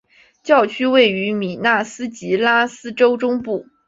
教区位于米纳斯吉拉斯州中部。